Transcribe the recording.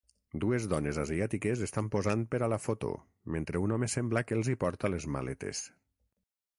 Dues dones asiàtiques estan posant per a la foto mentre un home sembla que els hi porta les maletes.